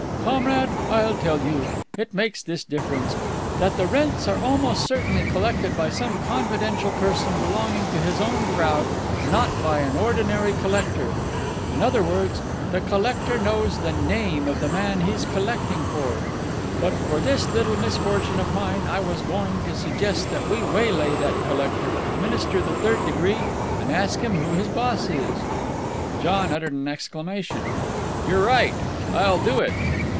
"Comrade, I'll tell you. It makes this difference: that the rents are almost certainly collected by some confidential person belonging to his own crowd, not by an ordinary collector. In other words, the collector knows the name of the man he's collecting for. But for this little misfortune of mine, I was going to suggest that we waylay that collector, administer the Third Degree, and ask him who his boss is." John uttered an exclamation. "You're right! I'll do it."